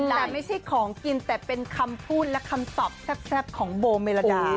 แต่ไม่ใช่ของกินแต่เป็นคำพูดและคำตอบแซ่บของโบเมลดา